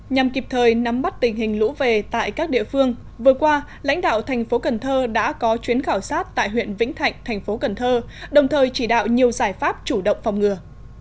nhằm kịp thời nắm bắt tình hình lũ về tại các địa phương vừa qua lãnh đạo thành phố cần thơ đã có chuyến khảo sát tại huyện vĩnh thạnh thành phố cần thơ đồng thời chỉ đạo nhiều giải pháp chủ động phòng ngừa